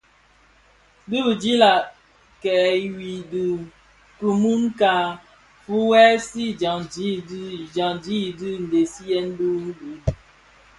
Di bidilag kè yui di kimü ka fuwèsi dyaňdi i ndegsiyèn bi bug.